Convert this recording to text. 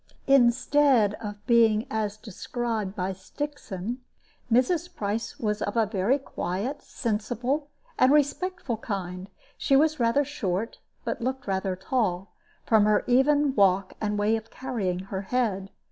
Instead of being as described by Stixon, Mrs. Price was of a very quiet, sensible, and respectful kind. She was rather short, but looked rather tall, from her even walk and way of carrying her head.